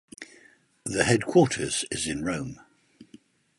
The headquarters is in Rome.